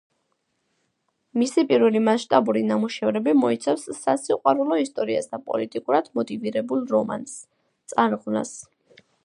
მისი პირველი მასშტაბური ნამუშევრები მოიცავს სასიყვარულო ისტორიას და პოლიტიკურად მოტივირებულ რომანს, წარღვნას.